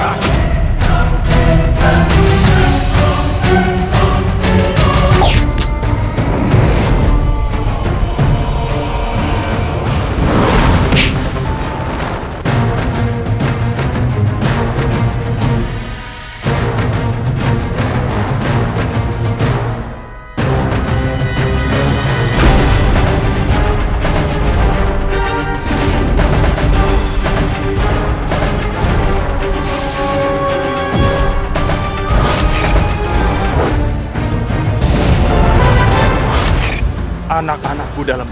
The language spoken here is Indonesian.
apapun yang dialami